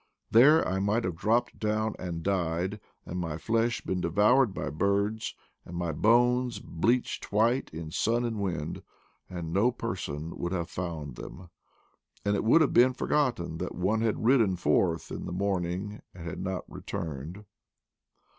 There I might have dropped down and died, and my flesh been devoured by birds, and my bones bleached white in sun and wind, and no person would have found them, and it would have been forgotten that one had ridden forth in the morning and had not returned.